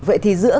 vậy thì giữa